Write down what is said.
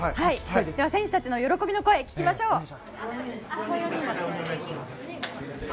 選手たちの喜びの声を聞きましょう。